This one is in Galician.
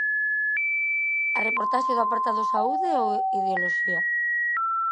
A reportaxe do apartado Saúde ou ideoloxía?